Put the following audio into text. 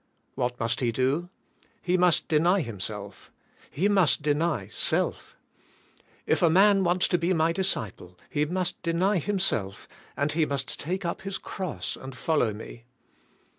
What must he do? He must deny himself; he must deny self. If a man wants to be my disciple he must deny himself and he must take up his cross and follow me.